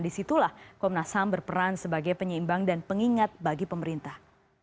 disitulah komnas ham berperan sebagai penyeimbang dan pengingat bagi pemerintah